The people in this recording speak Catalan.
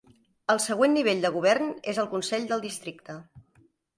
El següent nivell de govern és el Consell del districte.